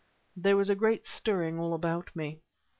There was a great stirring all about me.